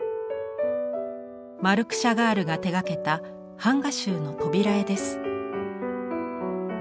マルク・シャガールが手がけた版画集の扉絵です。